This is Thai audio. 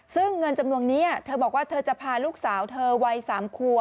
ซึ่งเงินจำนวนนี้เธอบอกว่าเธอจะพาลูกสาวเธอวัย๓คัว